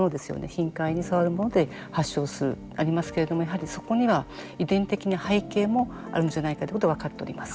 頻回に触るもので発症するありますけれどもやはりそこには遺伝的な背景もあるんじゃないかということが分かっております。